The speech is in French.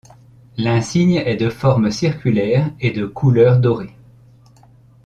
L'insigne est de forme circulaire et de couleur dorée.